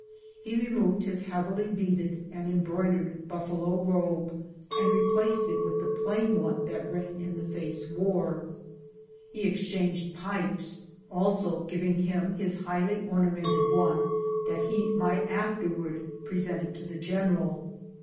He removed his heavily beaded and embroidered buffalo robe, and replaced it with the plain one that Rain in the face wore. He exchanged pipes also, giving him his highly ornamented one that lie might afterwards present it to the general.